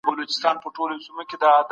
نوي فکرونه د ماشومانو تولید زیاتوي.